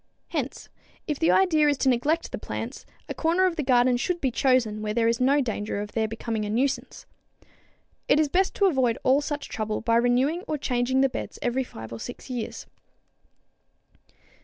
Hence, if the idea is to neglect the plants, a corner of the garden should be chosen where there is no danger of their becoming a nuisance. It is best to avoid all such trouble by renewing or changing the beds every 5 or 6 years.